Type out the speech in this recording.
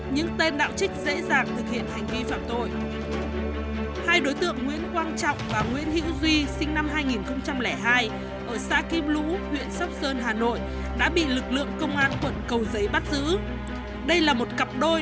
những tên đạo trích dễ dàng thực hiện hành vi phạm tội